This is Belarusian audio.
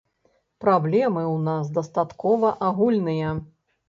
Праблемы ў нас дастаткова агульныя.